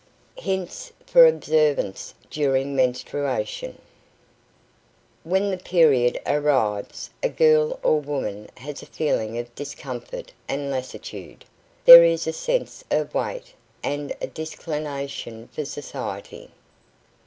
HINTS FOR OBSERVANCE DURING MENSTRUATION When the period arrives a girl or woman has a feeling of discomfort and lassitude, there is a sense of weight, and a disclination for society.